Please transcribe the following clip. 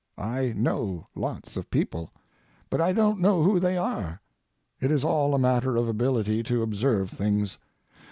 I know lots of people, but I don't know who they are. It is all a matter of ability to observe things.